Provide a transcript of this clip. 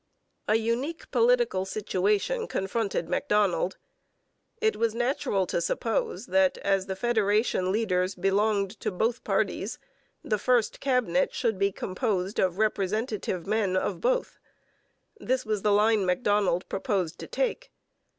A unique political situation confronted Macdonald. It was natural to suppose that, as the federation leaders belonged to both parties, the first Cabinet should be composed of representative men of both. This was the line Macdonald proposed to take.